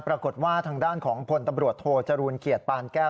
ปรากฏว่าทางด้านของพลตำรวจโทจรูลเกียรติปานแก้ว